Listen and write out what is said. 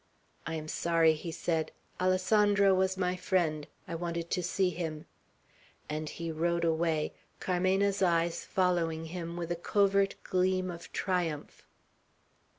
"I am sorry," he said. "Alessandro was my friend. I wanted to see him;" and he rode away, Carmena's eyes following him with a covert gleam of triumph.